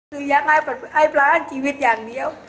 คือยังไงประมาณชีวิตอย่างเดียว